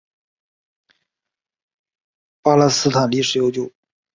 巴勒斯坦历史悠久。